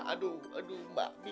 aduh aduh mbak bingung mbak